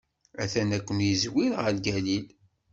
A-t-an ad ken-izwir ɣer Galil.